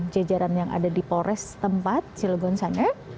jajaran yang ada di polres tempat cilegon sana